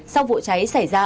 sau vụ cháy xảy ra